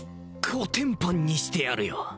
コテンパンにしてやるよ